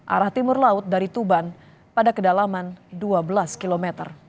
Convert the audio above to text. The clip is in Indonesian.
arah timur laut dari tuban pada kedalaman dua belas km